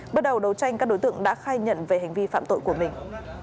bước đầu đấu tranh các đối tượng đã khai nhận về hành vi phạm tội của mình